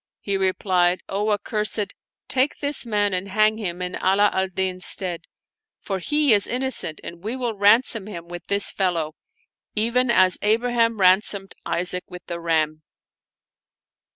He replied, " O accursed, take this man and hang him in Ala al Din's stead ; for he is innocent and we will ransom him with this fellow, even as Abraham ran somed Isaac with the ram."